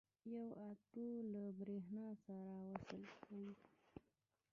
یو اوتو له برېښنا سره وصل کړئ.